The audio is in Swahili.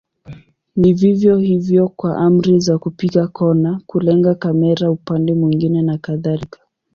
Ni vivyo hivyo kwa amri za kupiga kona, kulenga kamera upande mwingine na kadhalika.